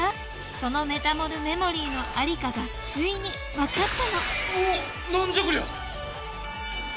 そのメタモルメモリーのありかがついにわかったの何じゃこりゃ！？